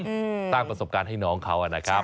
สร้างประสบการณ์ให้น้องเขา